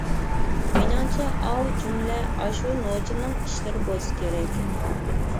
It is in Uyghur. مېنىڭچە ئاۋۇ جۈملە ئاشۇ نوچىنىڭ ئىشلىرى بولسا كېرەك.